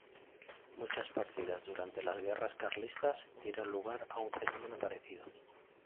Muchas partidas durante las Guerras Carlistas dieron lugar a un fenómeno parecido.